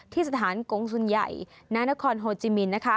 ที่สถานกรงสุนใหญ่ณโฮจิมิน